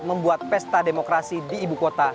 membuat pesta demokrasi di ibukota